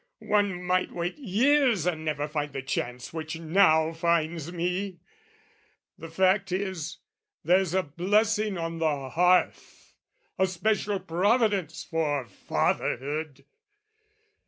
One might wait years And never find the chance which now finds me! The fact is, there's a blessing on the hearth, A special providence for fatherhood!